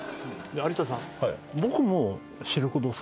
有田さん。